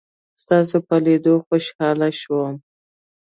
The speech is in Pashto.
ستاسو په لیدلو خوشحاله شوم.